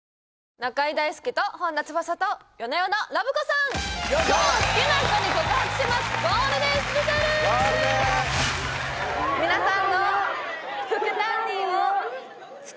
「中居大輔と本田翼と夜な夜なラブ子さん」